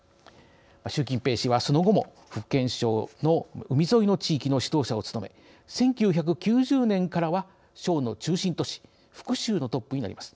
習近平氏はその後も福建省の海沿いの地域の指導者を務め１９９０年からは省の中心都市福州のトップになります。